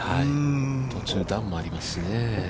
途中段もありますしね。